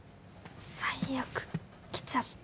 最悪、きちゃった。